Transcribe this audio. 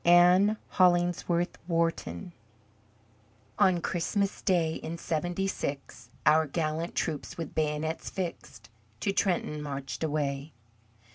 ANNE HOLLINGSWORTH WHARTON "On Christmas day in Seventy six, Our gallant troops with bayonets fixed, To Trenton marched away."